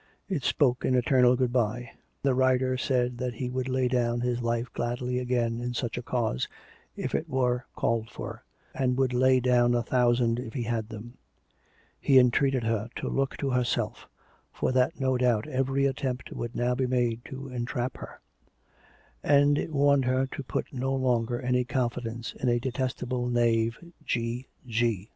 It spoke an eternal good bye; the writer said that he would lay down his life gladly again in such a cause if it were called for, and would lay down a thousand if he had them; he entreated her to look to her self, for that no doubt every attempt would now be made to entrap her; and it warned her to put no longer any confidence in a " detestable knave, G. G."